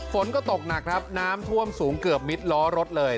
ฝนก็ตกหนักครับน้ำท่วมสูงเกือบมิดล้อรถเลย